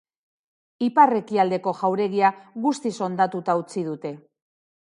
Ipar-ekialdeko jauregia guztiz hondatuta utzi dute.